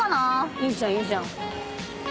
いいじゃんいいじゃん。